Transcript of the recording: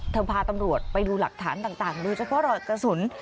เธอพาตำรวจไปดูหลักฐานต่างต่างหรือเฉพาะรถกระสุน